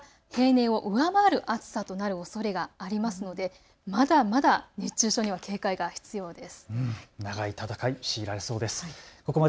そして８月にかけては平年を上回る暑さとなるおそれがありますのでまだまだ熱中症には警戒が必要です。